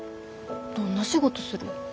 どんな仕事する？